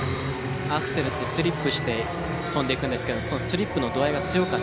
アクセルってスリップして跳んでいくんですけどそのスリップの度合いが強かったです。